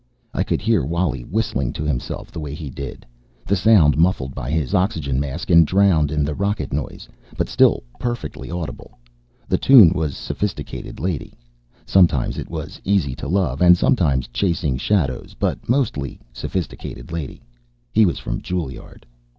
I could hear Wally whistling to himself the way he did, the sound muffled by his oxygen mask and drowned in the rocket noise, but still perfectly audible. The tune was Sophisticated Lady. Sometimes it was Easy to Love and sometimes Chasing Shadows, but mostly Sophisticated Lady. He was from Juilliard.